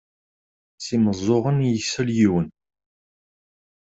S imeẓẓuɣen i isell yiwen.